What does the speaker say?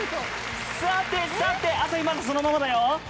さてさて朝日まだそのままだよ。